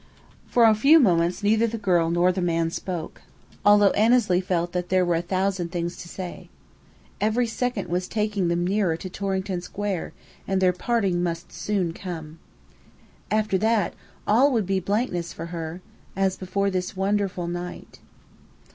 For a few moments neither the girl nor the man spoke, although Annesley felt that there were a thousand things to say. Every second was taking them nearer to Torrington Square; and their parting must come soon. After that, all would be blankness for her, as before this wonderful night.